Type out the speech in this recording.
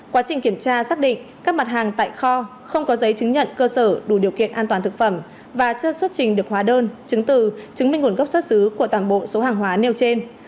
quá trình kiểm tra xác định các mặt hàng tại kho không có giấy chứng nhận cơ sở đủ điều kiện an toàn thực phẩm và chưa xuất trình được hóa đơn chứng từ chứng minh nguồn gốc xuất xứ của toàn bộ số hàng hóa nêu trên